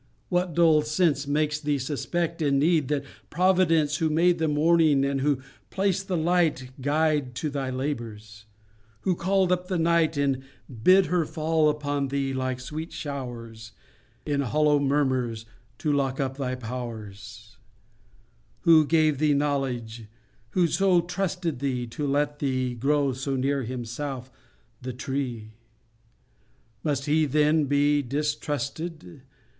What dull sense Makes thee suspect, in need, that Providence Who made the morning, and who placed the light Guide to thy labours; who called up the night, And bid her fall upon thee like sweet showers, In hollow murmurs, to lock up thy powers; Who gave thee knowledge; who so trusted thee To let thee grow so near Himself, the Tree? Must He then be distrusted?